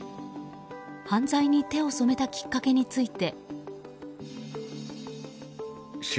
犯罪に手を染めたきっかけについて。